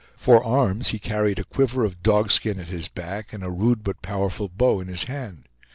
For arms he carried a quiver of dogskin at his back, and a rude but powerful bow in his hand.